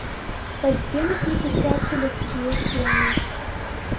Па сценах мітусяцца людскія цені.